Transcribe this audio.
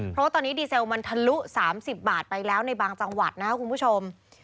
เพราะว่าตอนนี้ดีเซลมันทะลุ๓๐บาทไปแล้วในบางจังหวัดนะครับคุณผู้ชม